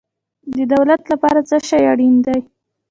د دولت لپاره څه شی اړین دی؟